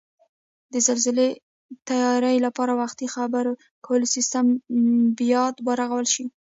د زلزلې تیاري لپاره وختي خبرکولو سیستم بیاد ورغول شي